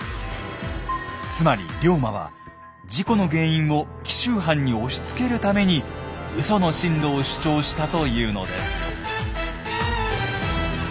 つまり龍馬は事故の原因を紀州藩に押しつけるためにウソの進路を主張したというのです。